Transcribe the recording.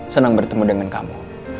senang bertemu dengan kamu